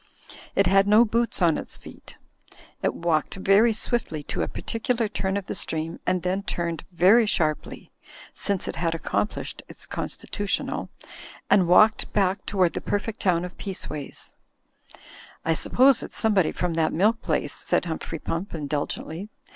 It had no boots on its feet. It walked very swiftly to a particular turn of the stream and then turned very sharply (since it had accomplished its constitutional), and walked back toward the perfect town of Peaceways. "I suppose it's somebody from that milk place," said Humphrey Pump, indulgently.